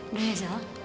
udah ya zal